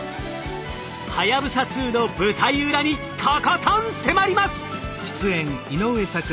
はやぶさ２の舞台裏にとことん迫ります！